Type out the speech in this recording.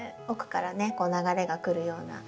奥からねこう流れが来るような。